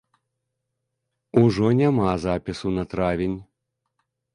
Ужо няма запісу на травень!